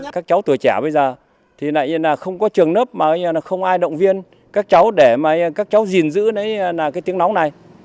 các cháu tuổi trẻ bây giờ thì không có trường nấp mà không ai động viên các cháu để mà các cháu gìn giữ cái tiếng lóng này